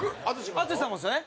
淳さんもですよね？